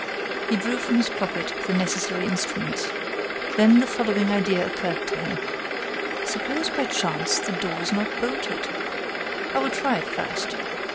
He drew from his pocket the necessary instruments. Then the following idea occurred to him: "Suppose, by chance, the door is not bolted. I will try it first."